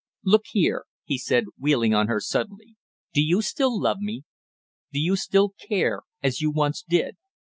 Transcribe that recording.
"Look here," he said, wheeling on her suddenly. "Do you still love me; do you still care as you once did?"